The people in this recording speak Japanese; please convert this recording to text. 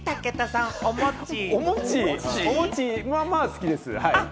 お餅、まあまあ好きです。